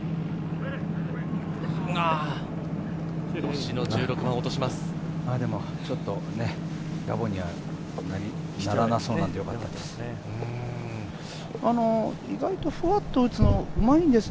星野、１６番、落とします。